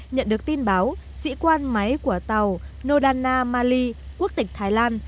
nhận được tin báo sĩ quan máy của tàu nodana mali quốc tịch thái lan